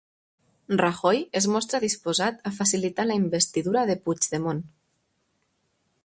Rajoy es mostra disposat a facilitar la investidura de Puigdemont